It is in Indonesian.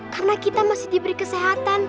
karena kita masih diberi kesehatan